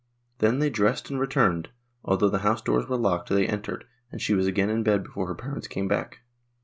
Then they dressed and returned ; although the house doors were locked they entered, and she was again in bed before her parents came back.